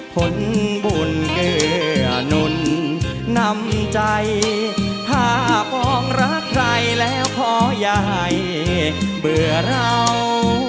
ผลบุญเกลือหนุ่นนำใจถ้าฟองรักใครแล้วพ่อยายเบื่อเรา